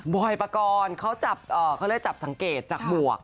บ่อยป่าก่อนเขาจับสังเกตจากหมวก